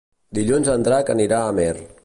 Dilluns en Drac anirà a Amer.